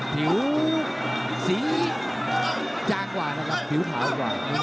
ผิวสีจางกว่านะครับผิวขาวกว่า